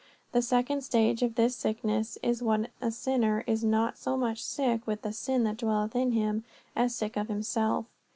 The second stage of this sickness is when a sinner is not so much sick with the sin that dwelleth in him as sick of himself.